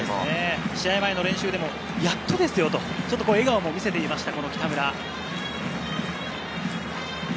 試合前の練習でもやっとですよと笑顔を見せていました北村。